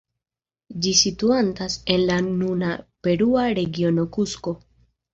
Ĝi situantas en la nuna perua regiono Kusko.